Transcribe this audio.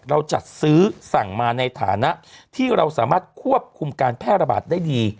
เราจัดซื้อสั่งมาในฐานะที่เราสามารถควบคุมการแพร่ระบาดได้ดี